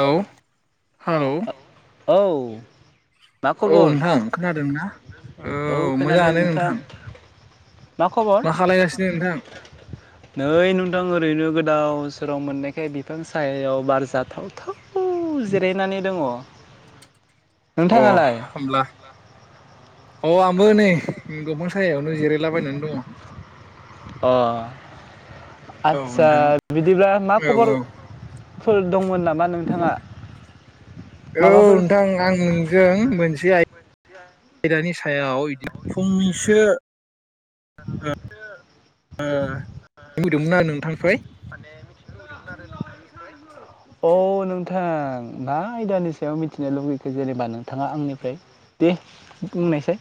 औ हालौ औ मा औ खबर नोंथां खोनादों ना औ मोजाङानो नोंथां। मा खबर खालायगासिनो नोंथां नै नोंथां ओरैनो गोदाव सो गरम मोननायखाय बिफां साहायाव बार जाथाव थाव [unintelligible] जिरायनानै दङ। अ नोंथाङालाय होमब्ला अ आंबो नै दंफां सायायावनो जिरायलाबायनानै दङ। अ औ आतसा नोंथां बिदिब्ला मा औ औ खबर फोर दंमोन नाम औ माबाफोर नोंथां आं नोंजों मोनसे आय आयदानि सायाव इदि फंनैसो ओ ओ [unintelligible] आरो नोंथांनिफ्राय। अ नोंथां मा आयदानि सायाव मिथिनो लुगैखो जेनेबा नोंथाङा आंनिफ्राय दे बुंनायसै।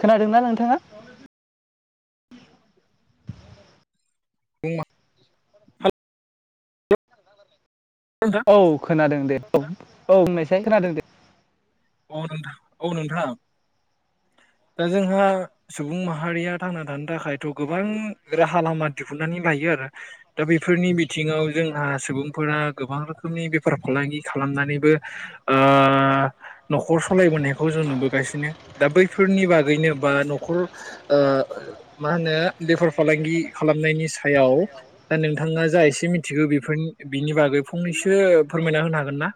खोनादोंना नोंथाङा? बुं मा नोंथां औ खोनादों दे। औ औ बुंनायसाय खोनादों दे। अ नोंथां औ नोंथां दा जोंहा सुबुं माहारिया थांना थानो थाखायथ' गोबां राहा लामा दिहुनन्नानै लायो आरो दा बेफोरनि बिथिङाव जोंहा सुबुंफोरा गोबां रोखोमनि बेफार फालांगि खालामनानैबो ओ न'खर सलायबोनायखौ जों नुबोगासिनो दा बैफोरनि बागैनो बा न'खर ओ मा होनो बेफार फालांगि खालामनायनि सायाव दा नोंथाङा जा एसे मिथिगौ बेफोरनि बिनि बागै फंनैसो फोरमायना होनो हागोन ना?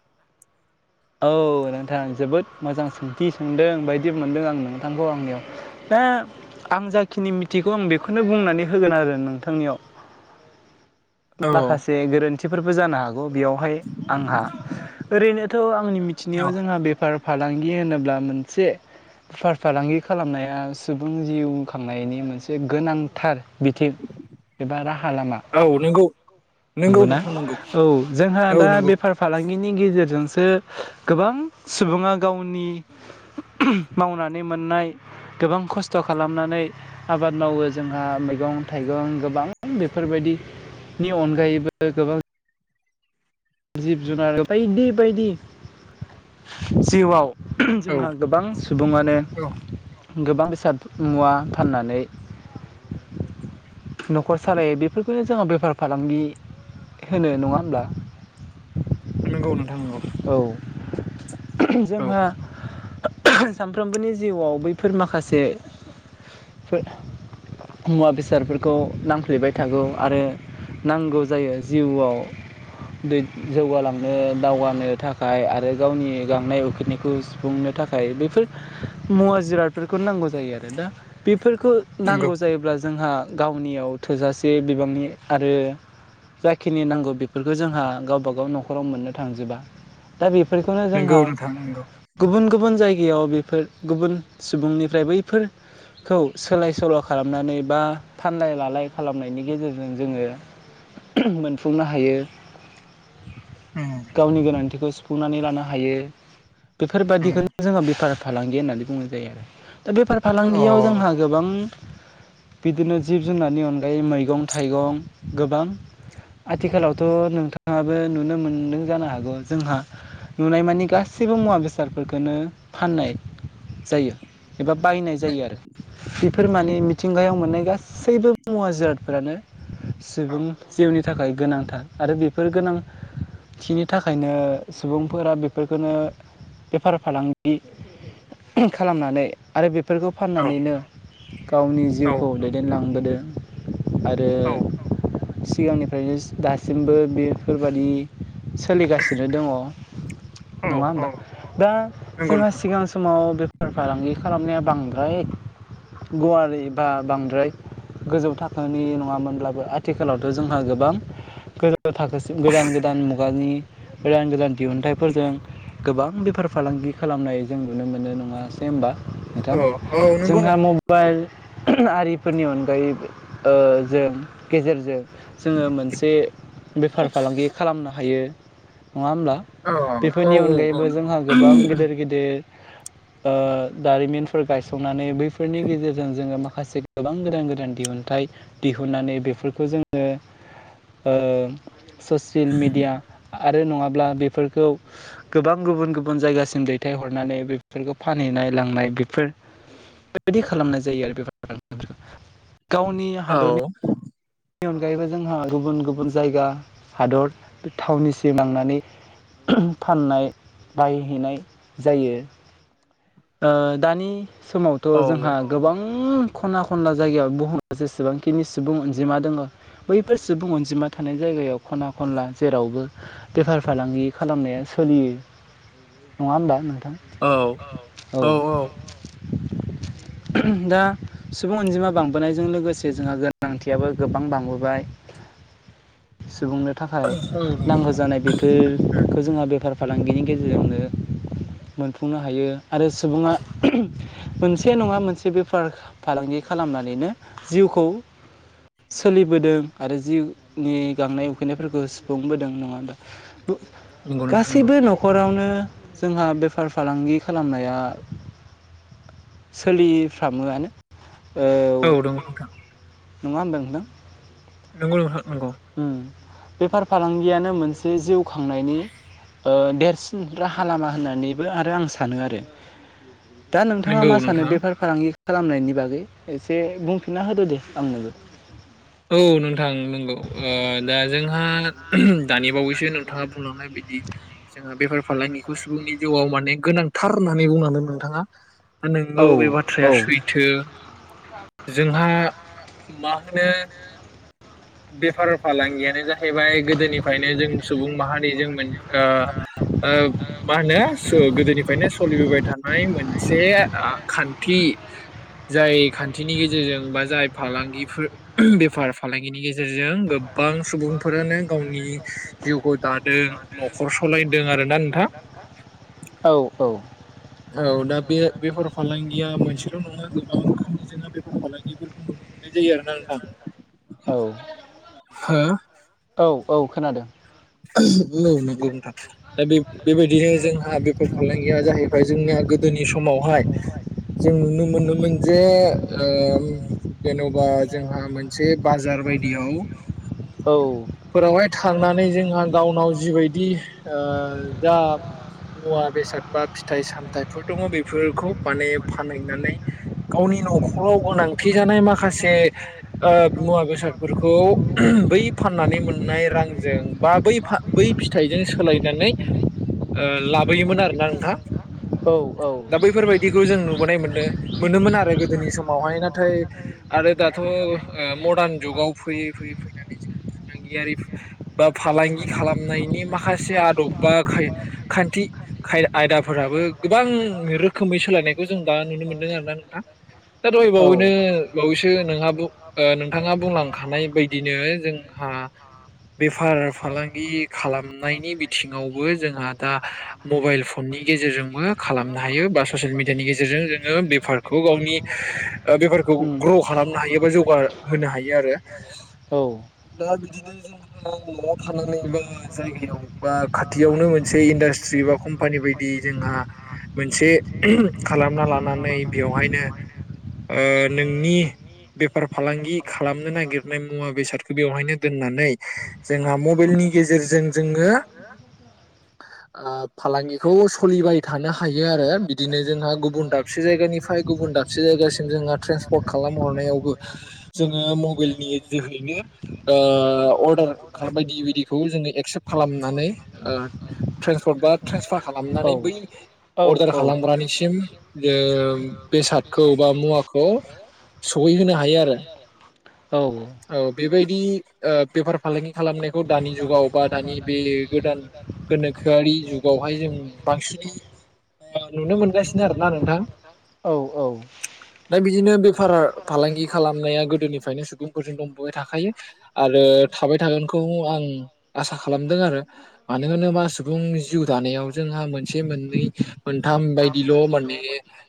ओं जोबोद मोजां सोंथि सोंदों बायदि मोनदों आं नोंथांखौ आंनियाव दा आं जाखिनि मिथिगौ आं बेखौनो बुंनानै होगोन आरो नोंथांनियाव औ माखासे गोरोन्थि थिफोरबो जानो हाग गौ बेयावहाय आंहा ओरैनो [unintelligible] आंनि मिथिनायाव फार फालांगि होनोब्ला मोनसे फार फालांगि खालामनाया सुबुं जिउ खांनायनि मोनसे गोनांथार बिथिं एबा राहा लामा औ नंगौ नंगौ नंगौना नोंथां नंगौ औ जोंहा औ दा नंगौ बेफार फालां बिनि गेजेरजोंसो गोबां सुबुङा गावनि मावनानै मोननाय गोबां खस्थ' खालामनानै आबाद मावो जोंहा मैगं थाइगं गोबां बेफोरबायदिनि अनगायैबो गोबां जिब जुनार बायदि बायदि जिउआव औ जोंहा गोबां सुबुङानो औ गोबां बेसाद मुवा फान्नानै न'खर सालायो बेफोरखौनो जों बेफार फालांगि होनो नङा होमब्ला‌? नंगौ नोंथां नंगौ औ औ जोंहा सानफ्रोमबोनि जिउआव बैफोर माखासे मुवा बेसादफोरखौ नांफ्लेबाय थागौ आरो नांगौ जायो जिउआव दै जौगालांनो दावगा नो थाखाय आरो गावनि गांनाय उखैनायखौ सुफुंनो थाखाय बेफोर मुवा जिरादफोरखौ नांगौ जायो आरो दा बे फोरफोरखौ नंगौ नांगौ जायोब्ला जोंहा गावनियाव थोजासे बिबांनि आरो जाखिनि नांगौ बेफोरखौ जोंहा गावबा गाव न'खराव मोन्नो थांजोबा दा बे फोरखौनो नंगौ जोंहा नोंथां नंगौ गुबुन गुबुन जायगायाव बेफोर गुबुन सुबुंनिफ्राय बैफोरखौ सोलाय सोल' खालामनानै बा फानलाय लालाय खालामनायनि गेजेरजों जोङो मोनफुंनो हायो उम गावनि गोनां थिखौ सुफुंनानै लानो हायो उम बेफोरबादिखौनो जोंङो बेफार फालांगि होन्नानै बुंनाय जायो आरो दा बेफार अ फालांगियाव औ जोंहा गोबां बिदिनो जिब जुनारनि अनगायै मैगं थाइगं गोबां आथिखालावथ' नोंथाङाबो नुनो मोनदों जानो हागौ जोंहा नुनाय मानि गासैबो मुवा बेसादफोरखौनो फान्नाय जायो एबा बायनाय औ जायो आरो बेफोर माने मिथिंगायाव मोन्नाय गासैबो मुवा जिरादफोरानो सुबुं जिउनि थाखाय गोनांथार आरो बेफोर गोनांथिनि थाखा खायनो सुबुंफोरा बेफोरखौनो बेफार फालांगि खालामनानै आरो बेफोरखौ फान्नानैनो गावनि औ जिउखौ दैदेनलांबोदो [inaudible] आरो औ सिगांनिफ्रायनो दासिमबो बेफोरबादि सोलिगासिनो दङ' औ नङा औ होमबा दा नंगौ जोंहा नोंथां सिगां समाव बे फार फालांगि खालामनाया बांद्राय गुवारै बा बांद्राय गोजौ थाखोनि नङामोनब्लाबो आथिखालावथ' जोंहा गोबां गोजौ थाखोसिम गोदान गोदान मुगानि गोदान गोदान दिहुनथाइफोरजों गोबां बेफार फालांगि खालामनाय जों नुनो मोनो नङासै होनबा नोंथां औ औ नंगौ जोंहा नोंथां मबाइल आरिफोरनि अनगायै ओ जों गेजेरजों जोङो मोनसे बेफार फालांगि खालामनो हायो नङा होमब्ला औ बेफोरनि औ अनगायैबो जोंहा गोबां गिदिर गिदिर ओ दारिमिनफोर गायसंनानै बै बेफोरनि गेजेरजों जोङो मा माखासे गोबां गोदान गोदान दिहुनथाइ दिहुननानै बेफोरखौ जों ओ ओ ससियेल मिडिया आरो नङाब्ला बेफोरखौ गोबां गुबुन गुबुन जायगासिम दैथायहरनानै बेफोरखौ फानहैनाय लांनाय बेफोर बेबायदि खालामनाय जायो आरो बेफार फालांगि गावनि औ हादरनि नि अनगायैबो जोंहा गुबुन गुबुन जायगा हादर बे थावनिसिम लांनानै फाननाय बायहैनाय जायो ओ दानि समावथ' जोंहा औ गोबां खना खनला जायगायाव बुहुमा जेसेबांखिनि सुबुं अन जिमा दङ बैफोर सुबुं अनजिमा थानाय जायगायाव खना खनला जेरावबो बेफार फालांगि खालामनाया सोलियो नङा होमबा नों औ औ औ दा सुबुं अनजिमा बांबोनायजों लोगोसे जोंहा गोनांथि आबो गोबां बांबोबाय सुबुंनो थाखाय नांगौ जानाय बेफोरखौ जोंहा बेफार फालांगिनि गेजेरजोंनो मोनफुंनो हायो आरो सुबुङा मोनसे नङा मोनसे बेफार फालांगि खालामनानैनो जिउखौ सोलिबोदों आरो जिउनि गांनाय उखैनायफोरखौ सुफुंबोदों नङा होमबा बु नंगौ नोंथां नंगौ गासैबो न'खरावनो जोंहा बेफार फालांगि खालामनाया सोलिफ्रामोआनो औ दङ नोंथां नङा होनदों नोंथां नोंगौ नोंथां नंगौ उम बेफार फालांगियानो मोनसे जिउ खांनायनि ओ देरसिन राहा लामा होननानैबो आरो आं सानो आरो दा नोंथाङा नंगौ मा सानो नोंथां बेफार फालांगि खालामनायनि बागै एसे बुंफिनना होदो दे आंनोबो औ नोंथां नंगौ ओ दा जोंहा दानि बावैसो नोंथाङा बुंलांनाय बादि जोंहा बेफार फालांगिखौ सुबुंनि जिउआव माने गोनांथार होननानै बुंलांदों नोंथाङा दा औ नोंगौ बे औ बाथ्राया सैथो जोंहा मा होनो बेफार फालांगियानो जा हैबाय गोदोनिफ्रायनो जों सुबुं माहारि जों मोन ओ ओ मा होनो सो गोदोनिफ्रायनो सोलिबोबाय थानाय मोनसे खान्थि जाय खान्थिनि गेजेरजों बा जाय फालांगिफोर बेफार फालां बेनि गेजेरजों गोबां सुबुंफोरानो गावनि जिउखौ दादों न'खर सालायदों आरोना नोंथां औ औ । औ दा बे बेफार फालांगिया मोनसेल नङा [inaudible] जोंना बेफार फालांगिफोरखौ नुनो मोननाय जायो आरोना नोंथां । औ औ । औ खोनादों । औ नंगौ नोंथां दा बेब बेबायदिनो जोंहा बेफर फालांगिया जाहै फ्राय जोंनिया गोदोनि समावहाय जों नुनो मोनोमोन जे ओ जेनबा जोंहा मोनसे बाजार बायदियाव औ फोरावहाय थांना नै जोङो ओ गावनाव जिबायदि ओ जा मुवा बेसाद बा फिथाइ सामथाइफोर दङ बेफोरखौ माने फानहैनानै गावनि नखराव गोनांथि जानाय माखासे ओ मुवा बेसादफोरखौ बै फाननानै मोननाय रांजों बा बै फा बै फिथाइजों सोलायनानै ओ लाबोयोमोन आरोना नोंथां । औ औ नुबोनाय मोनो । मोनोमोन आरो गोदोनि समावहाय नाथाय आरो दाथ ओ मर्दान जुगाव फैयै फैयै फैनानै जोंनि फालांगियारि बा फालांगि खालामनायनि माखासे आदब बा खाय खान्थि खाय आयदाफोराबो गोबां रोखोमै सोलायनायखौ जों दा नुनो मोनदों आरोना नोंथां दा दहायबावैनो बावैसो नोंहाबो नोंथाङा बुंलांखानाय बायदिनो जोंहा बेफार फालांगि खालामनायनि बिथिङावबो जोंहा दा मबाइल फननि गेजेरजोंबो खालामनो हायो बा ससेल मिडियानि गेजेरजों जोङो बेफारखौ गावनि बेफारखौ ग्र खालामनो हायो खौ जौगा बा होनो हायो आरो जौगाहोनो हायो दा बिदिनो बा नआव थानानै बा जायगायाव बा खाथियावनो मोनसे इन्डास्ट्रि बा कम्पानि बायदि जोंहा मोनसे खालामना लानानै बेवहायनो ओ नोंनि बेफार फालांगि खालामनो नागिरनाय मुवा बेसादखौ बेवहायनो दोननानै जोंहा मबेलनि गेजेरजों जोङो ओ फालांगिखौ सलिबाय थानो हायो आरो बिदिनो जोंहा गुबुन दाबसे जायगानिफाय गुबुन दाबसे जायगासिम जोङो ट्रेन्सपर्ट खालामहरनायावबो जोङो मबेलनि जोहैनो ओ ओ खा बायदि बायदिखौ जोङो एक्सेप खालामनानै ओ ट्रेन्सपर्ट बा ट्रेन्सपार आरो औ खालामनानै बै औ अर्डार औ खालामग्रानिसिम जों बेसादखौ बा मुवाखौ सहैहोनो हायो आरो औ । औ बेबायदि ओ बेफार फालांगि खालामनायखौ दानि जुगाव बा दानि बे गोदान गोनोखोयारि जुगावहाय जों बांसिनै नुनो मोनगासिनो आरोना नोंथां दा बिदिनो बेफार फालांगि खालामनाया गोदोनिफ्रायनो सुबुं खौ जोङो नुबाय थाखायो आरो थाबाय थागोनखौ आं आसा खालामदों आरो मानो होनोबा सुबुं जिउ दानायाव जोंहा मोनसे मोननै मोनथाम बायदिल माने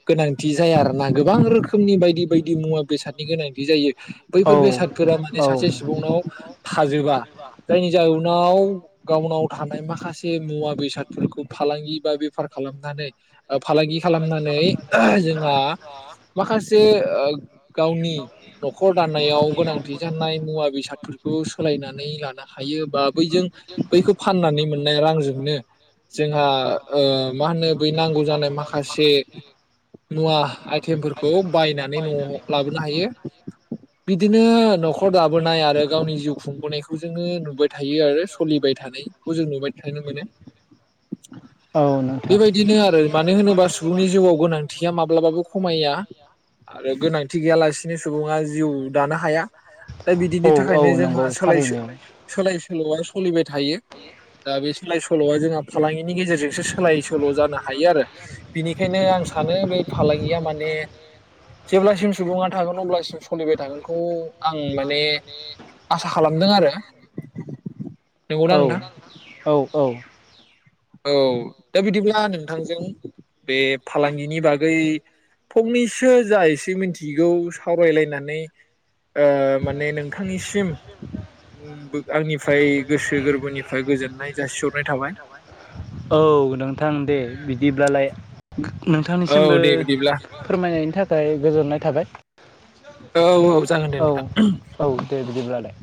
गोनांथि जाया आरोना गोबां रोखोमनि बायदि बायदि मुवा बेसादनि गोनांथि जायो बै फोर बेसादफोरा माने औ सासे सुबुंनाव थाजोबा जायनि जाउनाव गावनाव थानाय माखासे मुवा बेसादफोरखौ फालांगि बा बेफार खालामनानै ओ फालांगि खालामनानै जोंहा माखासे ओ गावनि नखर दान नायाव गोनांथि जानाय मुवा बेसादफोरखौ सोलायनानै लानो हायो बा बैजों बैखौ फाननानै मोननाय रांजोंनो जोंहा ओ मा होनो बै नांगौ जानाय माखासे मुवा आइटेमफोरखौ बायनानै नआव लाबोनो हायो । बिदिनो नखर दाबोनाय आरो गावनि जिउ खुंबोनायखौ जोङो नुबाय थायो आरो सलिबाय थानायखौ जों नुबाय थानो मोनो । औ नोंथां बेबायदिनो आरो मानो होनोबा सुबुंनि जिउआव गोनांथिया मा माब्लाबाबो खमया आरो गोनांथि गैयालासिनो सुबुङा जिउ दानो हाया दा औ बिदिनि औ थाखायनो नंगौ जोंहा सोलाय सो थारैनो सोलाय नआ सलिबाय थायो दा बे सोलाय सोलआ जोंहा फालांगिनि गेजेरजोंसो सोलाय सोल जानो हायो आरो बिनिखायनो आं सानो बे फालांगिया माने जेब्लासिम सुबुङा थागोन अब्लासिम सलिबाय थागोन खौ आं माने आसा खालामदों आरो । औ औ औ । औ दा बिदिब्ला नोंथांजों बे फालांगिनि बागै फंनैसो जा एसे मिथिगौ सावरायलायनानै माने नोंथांनिसिम बो आंनिफ्राय गोसो गोरबोनिफाय गोजोननाय जासिहरनाय थाबाय । [unintelligible] नोंथां दे बिदिब्लालाय औ नोंथांनिसिमबो दे बिदिब्ला फोरमायनायनि थाखाय गोजोननाय थाबाय औ औ जागोन दे औ नोंथां। औ दे बिदिब्लालाय।